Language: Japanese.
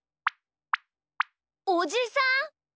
おじさん！？